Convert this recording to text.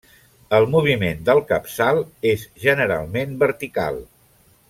El moviment del capçal és generalment vertical.